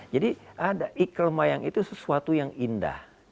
jadi ikl mayang itu sesuatu yang indah